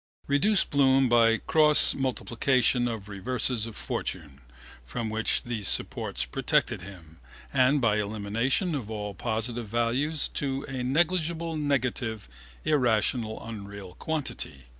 Reduce Bloom by cross multiplication of reverses of fortune, from which these supports protected him, and by elimination of all positive values to a negligible negative irrational unreal quantity.